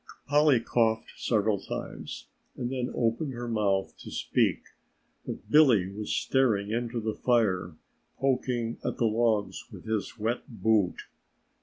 Polly coughed several times and then opened her mouth to speak, but Billy was staring into the fire poking at the logs with his wet boot.